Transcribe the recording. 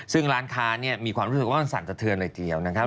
ซึ่งร้านค้าเนี่ยมีความรู้สึกว่ามันสั่นสะเทือนเลยทีเดียวนะครับ